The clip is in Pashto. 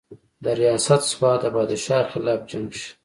درياست سوات د بادشاه خلاف جنګ کښې